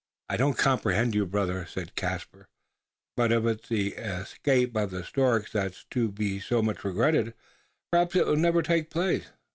"I don't comprehend you, brother!" said Caspar; "but if it's the escape of the storks that's to be so much regretted, perhaps it will never take place.